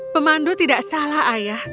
pemandu tidak salah ayah